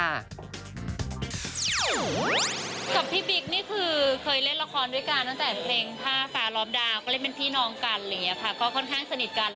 กับพี่บิ๊กนี่คือเคยเล่นละครด้วยกันตั้งแต่เพลงผ้าฟ้าล้อมดาวก็เล่นเป็นพี่น้องกันอะไรอย่างนี้ค่ะก็ค่อนข้างสนิทกัน